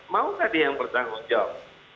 mau tadi yang bertanggung jawab